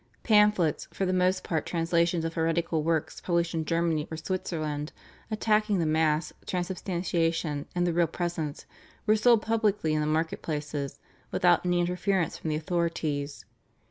Pamphlets, for the most part translations of heretical works published in Germany or Switzerland attacking the Mass, Transubstantiation, and the Real Presence, were sold publicly in the market places without any interference from the authorities.